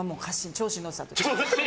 調子に乗ってた。